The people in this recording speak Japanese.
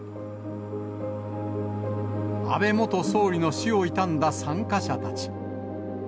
安倍元総理の死を悼んだ参加者たち。